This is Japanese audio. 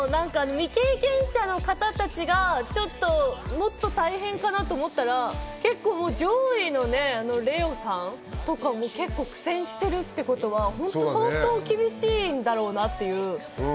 未経験者の方たちがもっと大変かなと思ったら、結構、上位のレオさんとかが苦戦してるってことは相当厳しいんだろうなっていう。